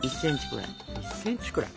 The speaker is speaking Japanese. １ｃｍくらい。